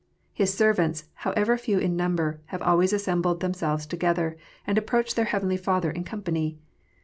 His servants, however few in number, have always assembled themselves together, and approached their Heavenly Father in company.